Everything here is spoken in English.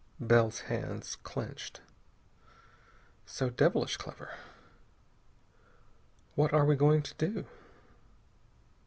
Bell's hands clenched. "So devilish clever.... What are we going to do?"